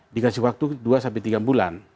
dikasih waktu dua sampai tiga bulan